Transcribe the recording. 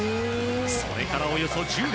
それから、およそ１０年。